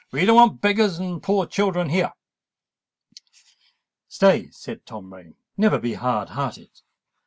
"We don't want beggars and poor children here." "Stay!" cried Tom Rain: "never be hard hearted!"